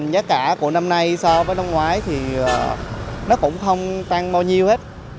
giá cả của năm nay so với năm ngoái thì nó cũng không tăng bao nhiêu hết